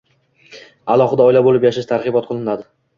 alohida oila bo‘lib yashash targ‘ibot qilinadi.